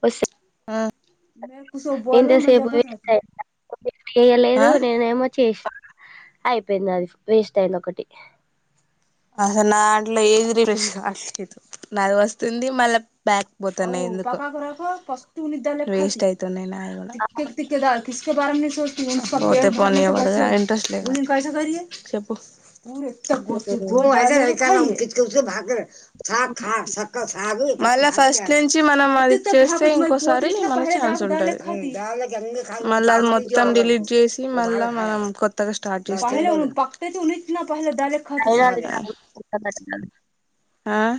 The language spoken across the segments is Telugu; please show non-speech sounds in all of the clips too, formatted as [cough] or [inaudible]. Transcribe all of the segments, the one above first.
బస్ ఆఁ ఎంతసేపు వేయిట్ [inaudible] చేయలేదు నేనేమో చేసా అయిపోయిందది వేస్ట్ అయిందొకటి. అసలు నా దాంట్లో ఏది రిఫ్రెష్ నాది వస్తుంది, మళ్ళ బ్యాక్ పోతాన్నయి. ఎందుకో వేస్ట్ అయితున్నై నాయిగూడ. పోతే పోనీలే [unintelligible] ఇంట్రెస్ట్ లేదు చెప్పు. ఉమ్. [unintelligible] మళ్ల ఫస్ట్ నుంచి మనం అది చేస్తే ఇంకోసారి మనకి ఛాన్స్ ఉంటది. మళ్ళ అది మొత్తం అవునవును డిలీట్ చేసి, మళ్ళా మనం కొత్తగా స్టార్ట్ చేస్తె అయినా అది టైం క ఆఁ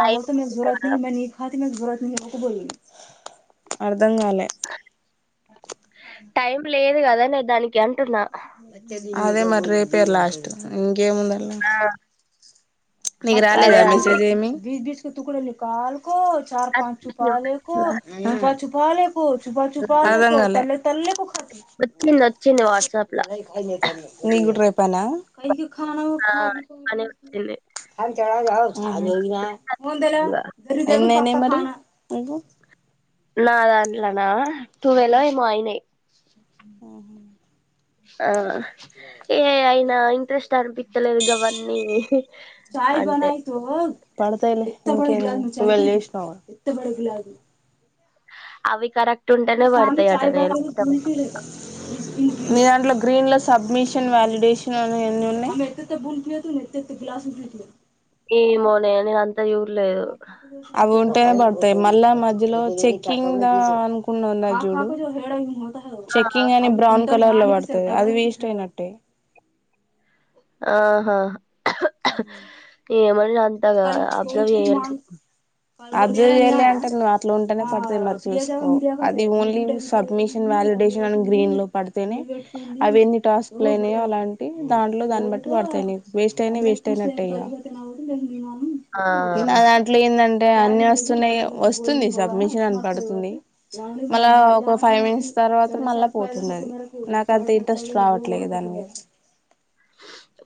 టైం ఉంది కదా, అర్ధం గాలే టైం లేదు కదనే దానికి అంటున్నా. అదే మరి రేపే లాస్ట్ ఇంకేముంది అండ్ల. ఆ నీకు రాలేద అదే అంటు మెసేజ్ ఏమి? చ పా చఛపాాలేకు ద చూపాాలే అర్ధం గాలే వచ్చింది వచ్చింది వాట్సాప్ లా నీక్కూడ రేపేనా? ానా ఆ వఖాగి అని పసి వచ్చింది అ చాల అ మ ఫ తెలో ఖచ్చితంగా. ఎన్నేనాయి మరి నా దాంట్లోనా తూవలో ఏమో అయినాయి ఆఓహో ఆ అ ఏ అయినా ఇంట్రెస్ట్ అనిపించలేదు కావన్నీ అంటే పడతలే ట్వెల్వ్ చేసినవ్ గా అవి కారక [unintelligible] మీ దాంట్లో గ్రీన్ లో సబ్మిషన్ వ్యాలిడేషన్ అని ఎన్ని ఉన్నాయి అసంటట్ ఈ మోననింత అవును ట్టే పడతాయి మళ్ళా మధ్యలో చెకింగ్ అనుకున్నా ఉన్న చూడు ఆ చెక్కింగ్ అని బ్రౌన్ కలర్ లో పడుతుంది అది వేస్ట్ అయినట్టే ఆహా ఏమని అంతగా అబ్జర్వ్ చేయలే అద ఏ అంటారు నువ్ అట్లో ఉంటేనే పడుతుంది మరి చూ అది ఓన్లీ సబ్మిషన్ అ గ్రీన్ లో పడితేనే అవి ఎన్ని టాస్క్లు అయినాయి అలాంటి దాంట్లో దాన్ని బట్టి తెలిదు వేస్ట్ అయినయి వేస్ట్ అయినట్టే ఇగ ఆ నా దాంట్లో ఏం అంటే అన్ని వస్తున్నాయి వస్తుంది సబ్మిన్ అనీ పడుతుంది మళ ఒక ఫైవ్ మినిట్ తర్వాత మళ్ళా పోతుంది ఆది నాక అంత ఇంట్రెస్ట్ రావట్లేదు దాని మీద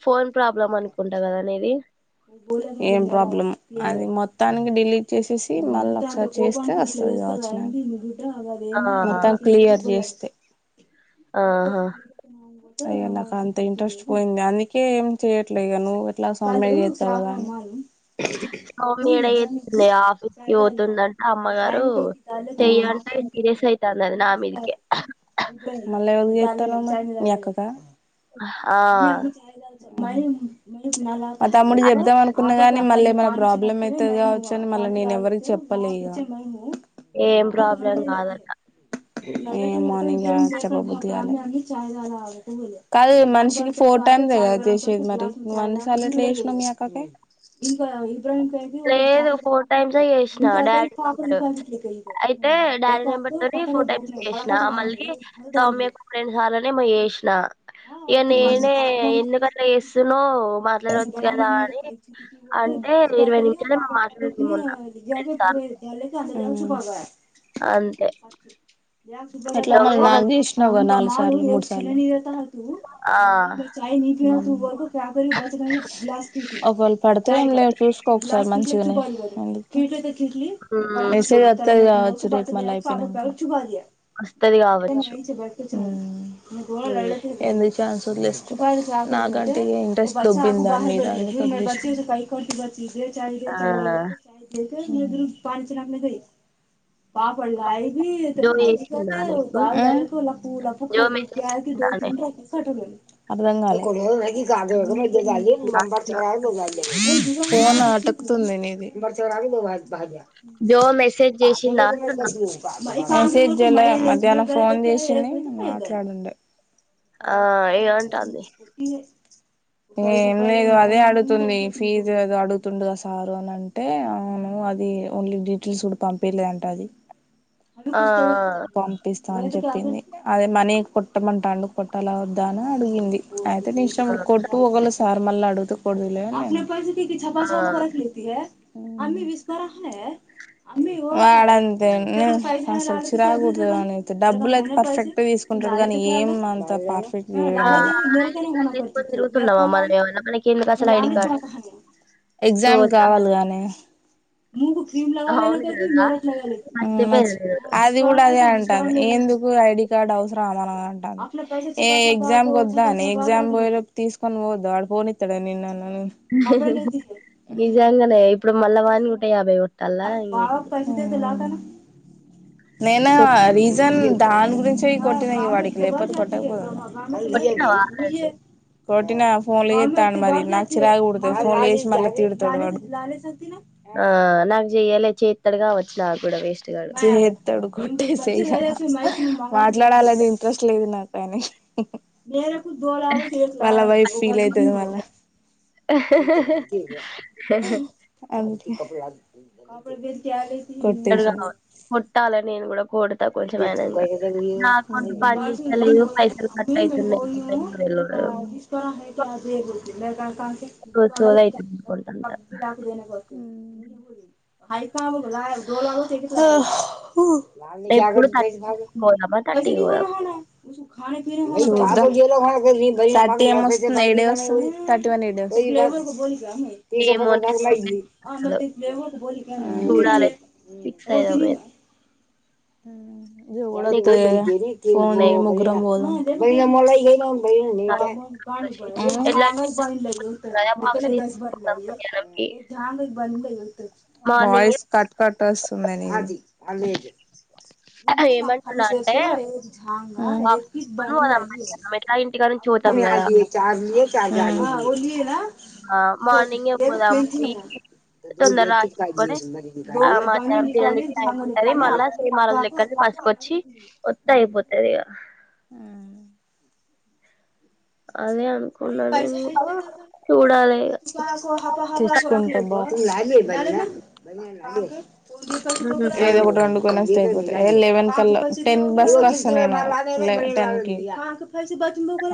ఫోన్ ప్రాబ్లం అనుకుంటా కదా నిది ఏం ప్రాబ్లం అది మొత్తానికి డిలీట్ చేసేసి మళ్ళీ ఒకసారి చేస్తే వస్తుంది ఆ మత్తాం క్లియర్ చేస్తే బ ఆహా అయ్యా నాకు అంత ఇంట్రెస్ట్ పోయింది అందుకే ఏం చేయట్లేదుగా నువ్వు ఎట్లా సగం [inaudible] సౌమ్యడ అతుంది ఆఫీస్ కి పోతుందంటే అమ్మగారు అని చెయ్యంటే సీరియస్ యితాంది అది నా మీదకే మళ్ళీ మీ అక్కకా ఆ మా తమ్ముడు అదే చెప్దాం అనుకున్న గాని మళ్ళీమైనా ప్రాబ్లమ్ ప్రాబ్లమ్ అయితే కావచ్చుని మళ్ళీ నేను ఎవరికి చెప్పలే ఇగ ఏం ప్రాబ్లం కాదట ఏ మార్నింగ్ బుద్ధగా కాదు మనిషికి ఫోటో చేసేది మరి నువ్వు అన్ని సార్లు ఎట్లా చేసినావు మీ అక్కకి ఇంకా ం ఒక చా లేదు ఫోర్ టైమ్సే చేసిన ఇంకాక డాడీ పాప కా ఇట్క క మొన్న నే ఫోర్ టైమ్స్ చేసిన మళ్ళీ ఉహు రెండు సార్లు ఏమో చేసిన నేనే ఎందుకట్లా చేస్తునో మాట్లాడవచ్చ కదా అని అంటే ఇరవై ప టబ్ట్జే పూ అ ప అంతే అట్లా దొంగ మ మొహం నాకు చేసినవ్ గా నాలుగు సార్లు మూడు సార్లు ఆ! అ అే మ చాయ ని పి త వకు క బచగాని ఒకవేళు పడితేం లే చూసుకోకసారి మంచిగానేందు హ్మ్. మెసేజ్ వస్తాది కావచ్చు రేప్ మల్ల వస్తది కావచ్చు హ్మ్. మ్మ్ ఏందో చాన్స్ వలేసుకో నాక్ అంటే ఇంట్రెస్ట్ దుబ్బింది దాని మీద ఆ! ఉమ్ ఉమ్ నువ్ జో చేసిందా నీకు? తింటున్నప్పుడు జో ఆటో మెసేజ్ చేసిందానే? పోయింది అర్ధం గాలే చేసిందా అంటున్నా. ఎక్ తుంది నీది జో మెసేజ్ చేసిందా అంటున్నా? మై మెసేజ్ జేయలే మధ్యాహ్నం ఫోన్ జేసింది మాట్లాడుండే ఆ! ఏమంటాంది? ఏ లేదు అదే అడుగుతుంది ఫీజు ఏదో అడుగుతుండగా సారు అని అంటే అవును అది ఓన్లీ డిటైల్స్ పంపియలేదంట అది ఆ! పంపి స్త అని చెప్పింది అదే మనీ కొట్టమంటాండు కొట్టలా వద్దా అని అడిగింది అయితే నీ ఆ! ఇష్టముంటే కొట్టు ఒకవేళ సార్ మళ్ళీ అడుగుతే కొడుదువులే ఆ! నేనన్న ఆ! ఉమ్ వాడంతే నేను అసలు చిరాపుడతది వాని చూస్తే డబ్బులు అయితే పర్ఫెక్ట్ తీసుకు కుంటడు గానీ ఏం అంత పర్ఫెక్ట్ జేయడు ఆ ఐడి కార్డ్ తీసుకొని తిరుగుతున్నామా మనం ఏమన్నా మనకెందుకు అసలు ఐడి కార్డ్ మళ్ళ ఎగ్జామ్ సోది గావాలి గానే అవును కదా మర్చిపోయిన నేను అది కూడా అదే అంటాంది ఎందుకు ఐడి కార్డ్ అవసరా మనకు అంటుంది ఏ ఎగ్జామ్ కు వద్దానే ఎగ్జామ్ పోయేలోప్ తీసుకొని పోవద్దా పోనిత్తడా నిన్నేమన్న ఉమ్ నిజంగానే ఇప్పుడు మళ్ళా వానికి నూట యాభై కొట్టాలా ఏంది ఉమ్ నేను సో రీజన్ దాని గురించి కొట్టిన వాడికి లేకపోతే కొట్టకపోదును కొట్టినవా కుయ్యే ఆల్రెడీ కొట్టినా ఫోన్లు జేత్తాండు మరి నాకు చిరాగ్ పుడతది ఫోన్లు జేసి మళ్ళ తిడతడు వాడు ఆ నాకు చెయ్యాలే చేత్తడు గావచ్చు నా గూడా వే చేత్తడు కొట్టేసేయ్ ఇగ మాట్లాడాలని ఇంట్రెస్ట్ లేదు నాకు కానీ వాళ్ళ వైఫ్ ఫీలైతది మళ్ళ అంతే చేత్తడు కొట్టేసిన కావచ్చు కొట్టాలే నేను గూడా కోడు త కొంచెం అయినాంకా నా అకౌంట్ పని చేస్తలేదు పైసలు కట్ అయితున్నాయి ఉమ్ సోది అయితుంది అకౌంట్ అంతా ఉమ్ హా హూ ఎప్పుడు థర్టీ చూద్దాం పోదామా థర్టీ పోదామా చాట్ ఏం వస్తుంది ఐడి వస్ థర్టీ వన్ ఇడస్ ఏమోనే చూడలేదు అసలు. చూడాలి ఫిక్స్ ఆ అయ్యాం. ఏ- నీకు ఎవరొత్తరే అవును నచ్చుతున్నాయి ముగ్గురం బోదాం ఉమ్ చాలా వచ్చి ఎట్లా కదా బాక్స్ తీసుకున్నాం మధ్యాహ్నంకి. మార్నింగే వాయిస్ కట్ కట్ వస్తుంది నీది ఉమ్ ఏమంటున్నా అంటే ఉమ్ బాక్స్ తీసుకొని పోదాం మధ్యాహ్నం ఎట్లా ఇంటికాడ నుంచి పోతాం కదా. ఆ మార్నింగే ఏ పోదాం పతు పోయి [unintelligible] దో తొందర ఎకి రాసుకొని ఆ కాాలరిబ మధ్యాహ్నం నాలి ాగా నాలే [unintelligible] క్కల్లు మాసుకొచ్చి వత్త అయిపోతదిగ అదే అనుకున్నా నేను కూడా చూడాలి ఇగ. తెచ్చుకుంటే బాగ్ ఏదో ఒకటి రెండుకొనే లే లెవెన్ కళా టెన్ బస్ క వస్తాను నేను టెన్ కి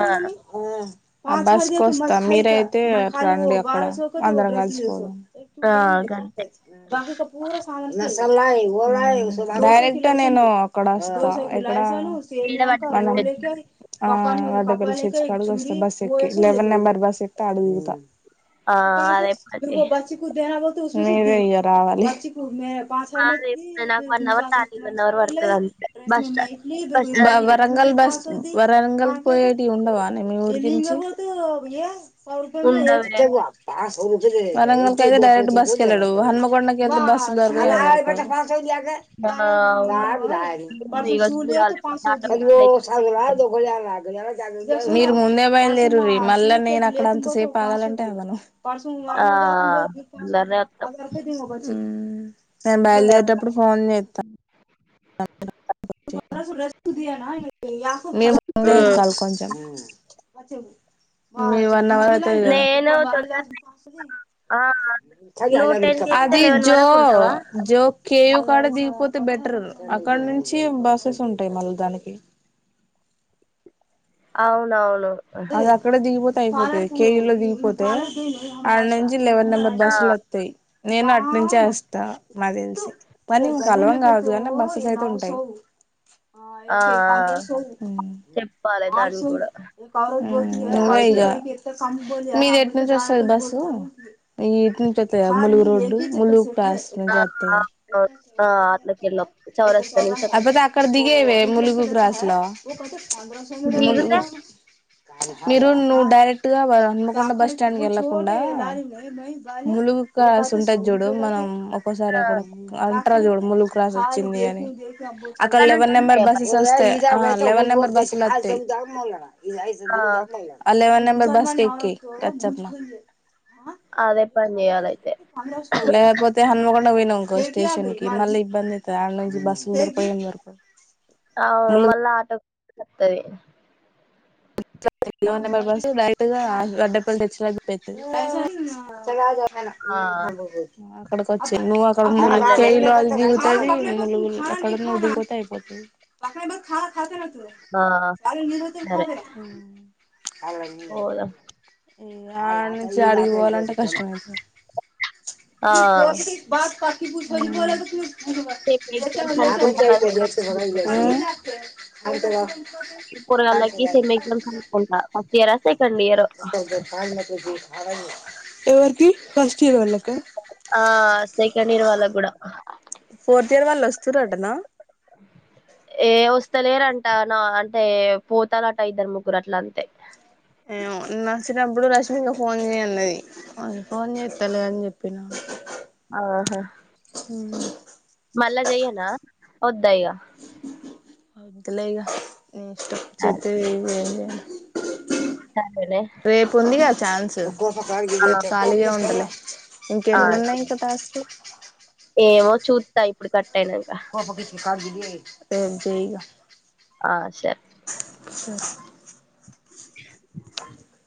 ఆ [inaudible] బస్సుకు వస్తా మీరయితే రండి అక్కడ అందరం కలిసిపోదాం ఆ గంతే. [unintelligible] డైరెక్ట్ గా నేను అక్కడ వస్తా ఎక్కడ ఏడ పడ్డట్టు [inaudible] బస్ బస్ ఎక్కీ లేవెన్ నెంబర్ బస్ ఎక్కితే ఆడ దిగుతా ఆ అదే పది మీరే ఇయ్య రావాలి అదే నాకు వన్ అవర్ దానికి వన్ అవర్ పడుతది అంతే బస్ స్టా బస్ [inaudible] అది వరంగల్ బస్ వరంగల్ పోయటియి ఉండవానే మీ ఊరీ నుంచి ఉండవే వరంగల్ కైతే డైరెక్ట్ బస్కిళడు హనుమకొండకేతే బస్ దొరకదు ఆ అవును ఏమో ఇగ చూడాలి మరి ఆటో ఖర్చులయితే కదా [inaudible] [inaudible] మీరు ముందే బయల్దేరుండ్రీ మళ్ళా నేను అక్కడ అంతసేపు ఆగాలంటే ఆగను ఆ తొందరనే వత్తం ఉమ్ నేను బయలుదేరేటప్పుడు ఫోన్ చేస్తా అ మేం ముందే ఎక్కాలి కొంచెం మీ వన్ అవర్ అవతాధిగా నేను తొందరనే ఆ నువ్వు టెన్ కి ఎక్కితే అది లెవెన్ జో వరకు ఉంటావా జో కేవ్ కాడా ది గీపోతే బెటర్ అక్కడ నుంచి బసెస్ ఉంటాయి మళ్ళీ దానికి అవునవును అది అక్కడ దిగిపోతే అయిపోతది కేయలో దిగిపోతే ఆడ నుంచి లెవెన్ నెంబర్ ఆ బస్సులు వస్తాయి నేను అటు నుంచి వ స్తా నాకు తెలిసి పనీ కలవడం అవదు కానీ బసులయితే ఉంటాయి ఆ ఆ! చెప్పాలి దాన్ని ఉమ్ కూడా నువ్వే ఇగ మీదీ ఎట్టు నుంచి వస్తది బసు ఈ ఇట్ నుంచి వస్తాయి ములుగు రోడ్డు ములుగు ఆ అవును ఆ అట్లకెళ్ళి చౌరస్తా నుంచి అబాబె అక్కడ దిగేయ్వే ములుగు బ్రాసలా దిగుతే ములుగు మీరు ను డై డైరెక్ట్ గా హన్మకొండ బస్ స్టాండ్ కు వెళ్ళకుండా ములుగు కాస ఉంటది చూడు మనం ఒక్కోసారి అక్కడ అంట్రాజోడ ములుగు వచ్చింది అని అక్కడ నుంచి లెవెన్ నెంబర్ ఉంటాయా మరి? బస్సెస్ వస్తే ఆ లెవెన్ నెంబర్ బస్సులు వస్తా ఆ ఆ లెవెన్ నెం బస్ ఎక్కి వచ్చేతన అదే పని చేయాలయితే లేపోతే హనుమాకో పోయినావ్ అనుకో స్టేషన్ కి మళ్ళ ఇబంది అవుంది ఆడ నుంచి బస్సు దొరకవ్ అవు మళ్ళా ఆటో వస్తది అ బర్ డైరెక్ట్ గా గడ్డ పలు తెచ్చలేకపోతుది ఆ అక్కడక వచ్చి నువ్వు అక్కడ అట్లనే చేస్ [unintelligible] ఆ ఉమ్ సరే పోదాం ఆడ నుంచి అడిగిపోవాలంటే కష్టం అయితది ఆ సెమ్ ఎగ్జామ్స్ అనుకుంటా కదా [inaudible] ఆ పోరగాళ్ళకి [inaudible] [unintelligible] ఎవకి ఫస్ట్ ఇయరొ ఆ సెకెండ్ ఇయర్ వాల్లగ్గుడా ఫోర్తియర్ వాళ్లొస్ ఏ వస్తలేరం టా నా అంటే పోతారట ఇద్దరు ముగ్గురు అట్ల అంతే ఏమో నడిషినబ్బుడు రష్మిక ఫోన్ జెయ్ అన్నది ఫోన్ చేస్తలే అని చెప్పిన్ ఆహా మళ్ళా జెయ్యి అనా వద్దా ఇగ వద్దులే ఇగ నీ ఇష్టం సరే చేత్తే జెయ్ లేదం సరేలే రేపుందిగా ఛాన్సు ఆ రేపు ఖాళీగే ఉంటలే ఆ ఇంకెన్నున్నాయ్ నీకు టాస్కు ఏమో చూత్తా ఇప్పుడు కట్ అయినంక రేప్ జెయ్ ఇగ ఆ సరే స [inaudible]